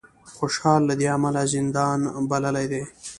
خوشال له دې امله زندان بللی دی